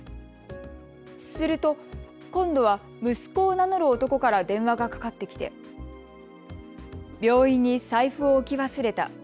すると今度は息子を名乗る男から電話がかかってきて病院に財布を置き忘れた。